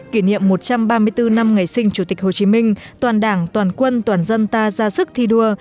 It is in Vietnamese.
kỷ niệm một trăm ba mươi bốn năm ngày sinh chủ tịch hồ chí minh toàn đảng toàn quân toàn dân ta ra sức thi đua